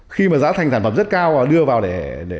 khi mà giá thành sản phẩm rất cao và đưa vào để